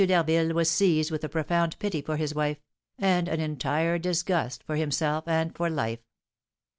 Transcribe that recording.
d'Harville was seized with a profound pity for his wife, and an entire disgust for himself and for life.